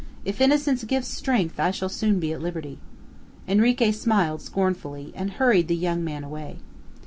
If innocence gives strength, I shall soon be at liberty." Henrique smiled scornfully, and hurried the young man away.